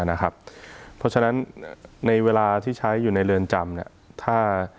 เพราะฉะนั้นในเวลาที่ใช้อยู่ในเรือนจำ